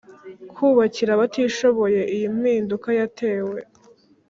kubakira abatishoboye Iyi mpinduka yatewe